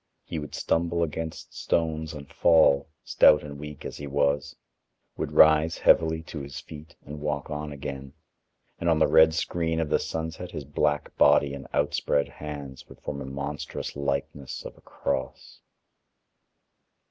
He would stumble against stones and fall, stout and weak as he was; would rise heavily to his feet and walk on again; and on the red screen of the sunset his black body and outspread hands would form a monstrous likeness of a cross.